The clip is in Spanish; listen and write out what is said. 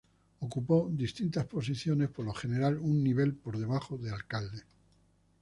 Ocupó distintas posiciones, por lo general un nivel por debajo de alcalde.